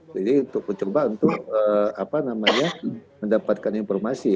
jadi untuk mencoba untuk mendapatkan informasi